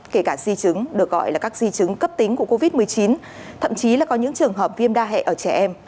kể cả di chứng được gọi là các di chứng cấp tính của covid một mươi chín thậm chí là có những trường hợp viêm đa hệ ở trẻ em